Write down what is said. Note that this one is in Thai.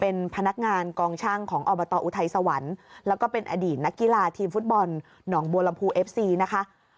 เป็นพนักงานกองช่างของอบตอุทัยสวรรค์แล้วก็เป็นอดีตนักกีฬาทีมฟุตบอลหนองบัวลำพูเอฟซีนะคะ